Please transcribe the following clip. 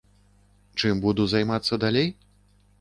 Чым буду займацца далей?